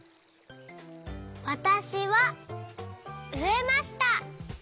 わたしはうえました。